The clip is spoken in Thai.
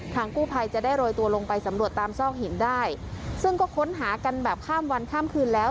กู้ภัยจะได้โรยตัวลงไปสำรวจตามซอกหินได้ซึ่งก็ค้นหากันแบบข้ามวันข้ามคืนแล้ว